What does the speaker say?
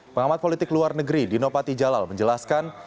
pengamat politik luar negeri dino patijalal menjelaskan